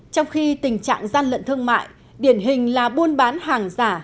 trong khi tình trạng gian lận thương mại điển hình là buôn bán hàng giả